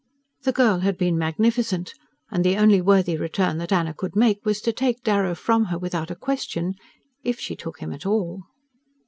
The girl had been magnificent, and the only worthy return that Anna could make was to take Darrow from her without a question if she took him at all...